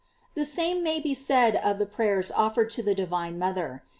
J The same may be said of the prayers offered to the divine mother.